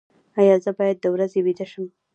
ایا زه باید د ورځې ویده شم؟